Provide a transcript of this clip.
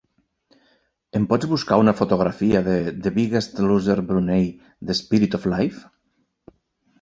Em pots buscar una fotografia de "The Biggest Loser Brunei: The Spirit of Life"?